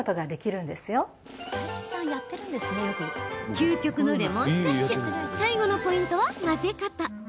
究極のレモンスカッシュ最後のポイントは混ぜ方。